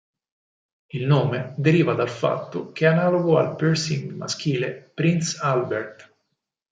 Il nome deriva dal fatto che è analogo al piercing maschile Prince Albert.